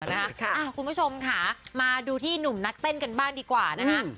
คุณผู้ชมค่ะมาดูที่หนุ่มนักเต้นกันบ้างดีกว่านะคะ